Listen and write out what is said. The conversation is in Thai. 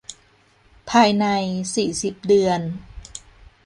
ภายใน สี่สิบ เดือน